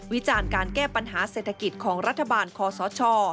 วิจารณ์การแก้ปัญหาเศรษฐกิจของรัฐบาลคอสช